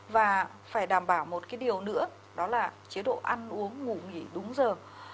và phải đảm bảo một cái điều nữa đó là chế độ ăn uống ngủ nghỉ đúng giờ